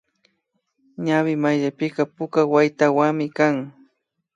Ñawi mayllapika puka waytawami kan